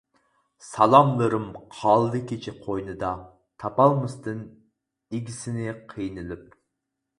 سالاملىرىم قالدى كېچە قوينىدا، تاپالماستىن ئىگىسىنى قىينىلىپ.